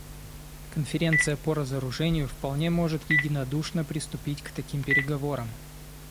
Конференция по разоружению вполне может единодушно приступить к таким переговорам.